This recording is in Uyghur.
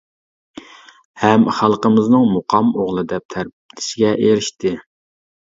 ھەم خەلقىمىزنىڭ مۇقام ئوغلى دەپ تەرىپلىشىگە ئېرىشتى.